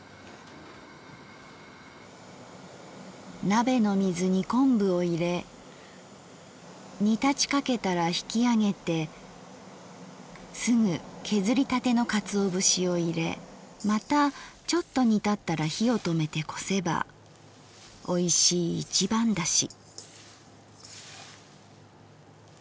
「鍋の水に昆布をいれ煮立ちかけたら引きあげてすぐけずりたての鰹節をいれまたちょっと煮立ったら火をとめて漉せばおいしい一番出し──」。